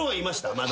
まだ。